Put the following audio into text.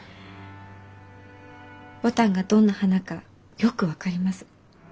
牡丹がどんな花かよく分かります。